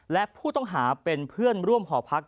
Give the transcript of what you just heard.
และผู้ต้องหาเป็นเพื่อนร่วมหอพัก